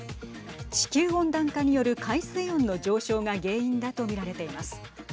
地球温暖化による海水温の上昇が原因だと見られています。